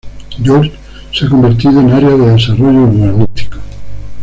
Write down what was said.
George se ha convertido en áreas de desarrollo urbanísticos.